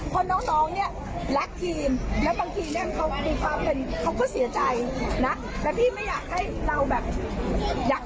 เพราะเราคือข้อมูลเดียวกันนะเมื่อกี๊วันที่แฟนบอลเราตาย